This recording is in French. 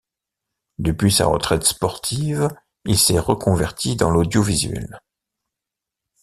Depuis sa retraite sportive, il s'est reconverti dans l'audiovisuel.